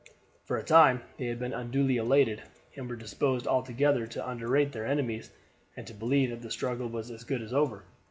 For a time they had been unduly elated, and were disposed altogether to underrate their enemies and to believe that the struggle was as good as over.